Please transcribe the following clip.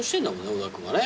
小田君はね。